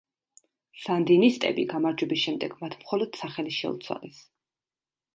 სანდინისტები გამარჯვების შემდეგ, მათ მხოლოდ სახელი შეუცვალეს.